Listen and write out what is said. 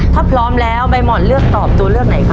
ถ้าพร้อมแล้วใบหม่อนเลือกตอบตัวเลือกไหนครับ